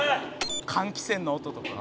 「換気扇の音とか」